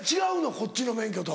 こっちの免許と。